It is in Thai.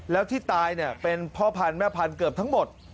แล้วที่ตายเป็นพ่อพันธุ์แม่พันธุ์เกือบทั้งหมด